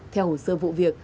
theo hồ sơ vụ việc